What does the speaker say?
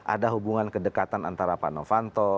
ada hubungan kedekatan antara pak novanto